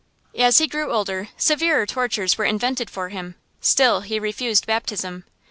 As he grew older, severer tortures were invented for him; still he refused baptism.